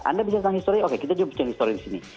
anda bicara tentang history oke kita jom bicara history di sini